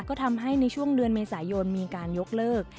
ก็ทำให้ในช่วงเดือนเมษายนมีการยกเลิก